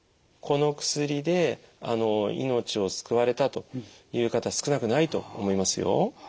この薬で命を救われたという方少なくないと思いますよ。